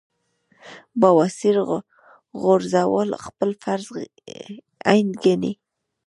بواسير غورزول خپل فرض عېن ګڼي -